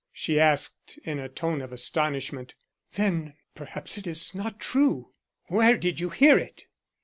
she asked in a tone of astonishment. "Then perhaps it is not true." "Where did you hear it?"